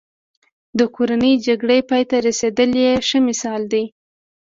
د کورنۍ جګړې پای ته رسېدل یې ښه مثال دی.